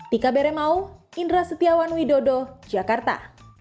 tika bere mau indra setiawan widodo jakarta